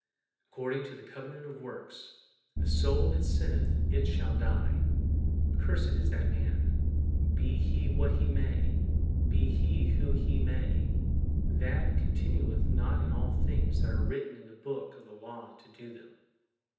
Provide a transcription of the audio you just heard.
According to the covenant of works, "the soul that sinneth it shall die"; cursed is that man, be he what he may, be he who he may, that continueth not in all things that are written in the book of the law to do them.